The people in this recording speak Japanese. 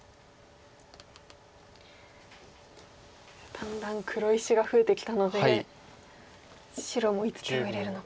だんだん黒石が増えてきたので白もいつ手を入れるのか。